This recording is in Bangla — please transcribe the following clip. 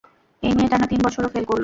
এই নিয়ে টানা তিন বছর ও ফেল করলো।